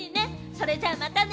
それじゃあ、またね！